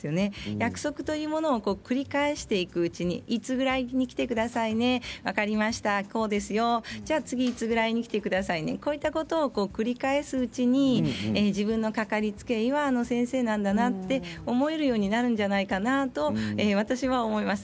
約束というものを繰り返していくうちにいつぐらいに来てくださいね分かりましたこうですよじゃあ、次いつぐらいですねとこれを繰り返すうちに自分のかかりつけ医はあの先生なんだなと思えるようになるんじゃないかなと私は思います。